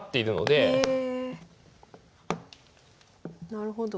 なるほど。